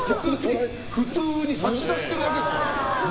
普通に差し出してるだけですから。